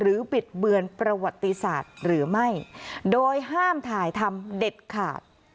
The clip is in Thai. บิดเบือนประวัติศาสตร์หรือไม่โดยห้ามถ่ายทำเด็ดขาด